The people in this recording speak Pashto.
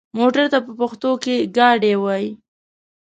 موټر ته په پښتو کې ګاډی وايي.